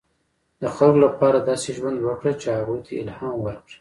• د خلکو لپاره داسې ژوند وکړه، چې هغوی ته الهام ورکړې.